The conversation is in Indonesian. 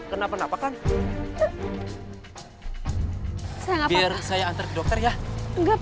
sampai jumpa di video selanjutnya